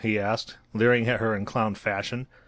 he asked, leering at her in clown fashion.